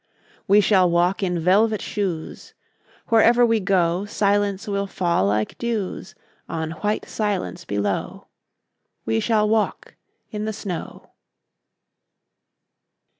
We shall walk in velvet shoes: Wherever we go Silence will fall like dews On white silence below. We shall walk in the snow.